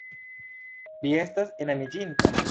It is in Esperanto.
Vi estas enamiĝinta?